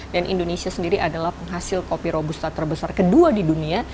dan indonesia sendiri adalah penghasil kopi robusta terbesar kedua di dunia